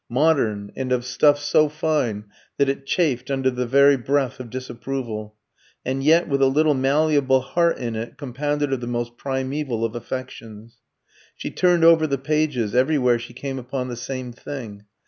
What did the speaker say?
"Modern, and of stuff so fine that it chafed under the very breath of disapproval; and yet with a little malleable heart in it compounded of the most primeval of affections." She turned over the pages; everywhere she came upon the same thing.